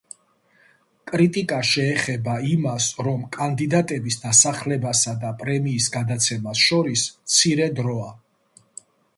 კრიტიკა შეეხება იმას, რომ კანდიდატების დასახლებასა და პრემიის გადაცემას შორის მცირე დროა.